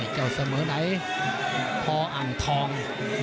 เจ้าเสมอไหนพออ่างทอง